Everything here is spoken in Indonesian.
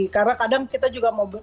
karena kadang kita juga mau